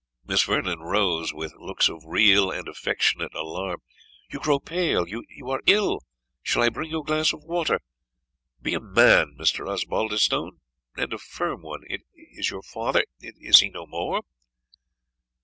Miss Vernon rose with looks of real and affectionate alarm "You grow pale you are ill shall I bring you a glass of water? Be a man, Mr. Osbaldistone, and a firm one. Is your father is he no more?"